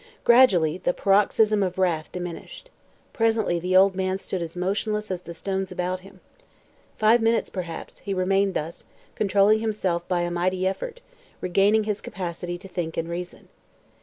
Gradually the paroxysm of wrath diminished. Presently the old man stood as motionless as the stones about him. Five minutes, perhaps, he remained thus, controlling himself by a mighty effort, regaining his capacity to think and reason.